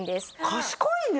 賢いね！